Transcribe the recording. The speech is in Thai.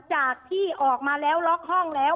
จากที่ออกมาแล้วล็อกห้องแล้ว